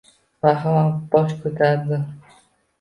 Vahima bosh ko‘tardi